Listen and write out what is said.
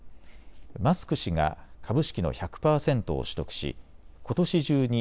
マスク氏が株式の１００％を取得し、ことし中に